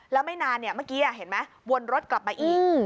แล้วไม่นานเมื่อกี้เห็นไหมวนรถกลับมาอีก